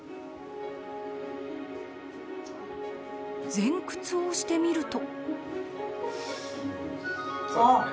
前屈をしてみると。